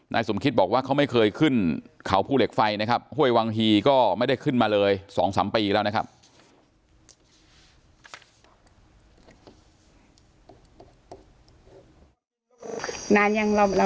นายสมคิตบอกว่าเขาไม่เคยขึ้นเขาภูเหล็กไฟนะครับห้วยวังฮีก็ไม่ได้ขึ้นมาเลย๒๓ปีแล้วนะครับ